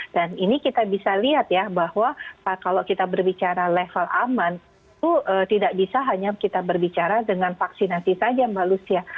dan ini kita bisa lihat ya bahwa kalau kita berbicara level aman itu tidak bisa hanya kita berbicara dengan vaksinasi saja mbak lucia